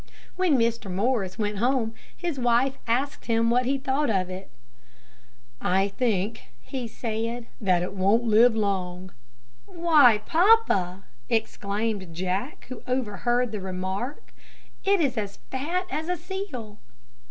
"When Mr. Morris went home his wife asked him what he thought of it. "I think," he said, "that it won't live long." "Why, papa!" exclaimed Jack, who overheard the remark, "it is as fat as a seal."